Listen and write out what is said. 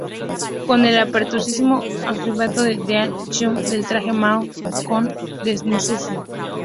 Con el aperturismo auspiciado por Den Xiaoping el traje Mao cae en desuso.